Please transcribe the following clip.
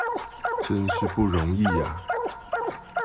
真是不容易啊！